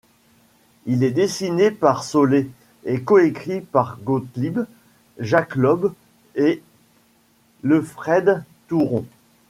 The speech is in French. Il est dessiné par Solé et coécrit par Gotlib, Jacques Lob et Lefred-Thouron.